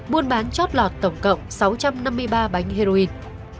buôn bán chót lọt tổng cộng sáu trăm năm mươi ba bánh heroin